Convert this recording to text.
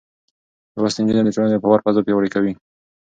لوستې نجونې د ټولنې د باور فضا پياوړې کوي.